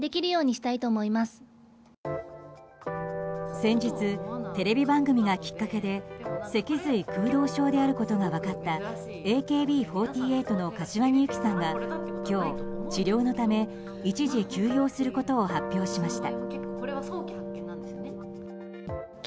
先日、テレビ番組がきっかけで脊髄空洞症であることが分かったＡＫＢ４８の柏木由紀さんが今日、治療のため一時休養することを発表しました。